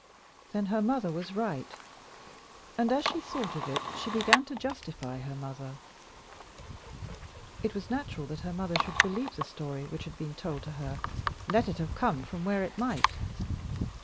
Then her mother was right. And as she thought of it she began to justify her mother. It was natural that her mother should believe the story which had been told to her, let it have come from where it might.